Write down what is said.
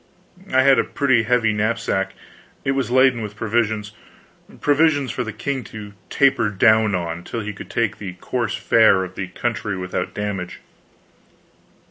I had a pretty heavy knapsack; it was laden with provisions provisions for the king to taper down on, till he could take to the coarse fare of the country without damage.